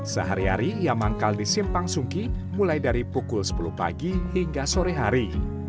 sehari hari ia manggal di simpang sungki mulai dari pukul sepuluh pagi hingga sore hari